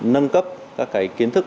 nâng cấp các cái kiến thức